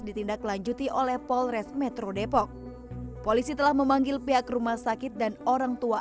ditindaklanjuti oleh polres metro depok polisi telah memanggil pihak rumah sakit dan orang tua